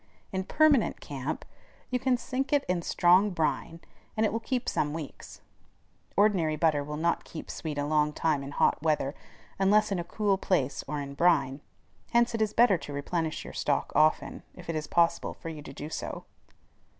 In permanent camp you can sink it in strong brine, and it will keep some weeks. Ordinary butter will not keep sweet a long time in hot weather unless in a cool place or in brine. Hence it is better to replenish your stock often, if it is possible for you to do so.